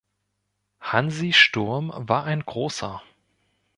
Hansi Sturm war ein Großer.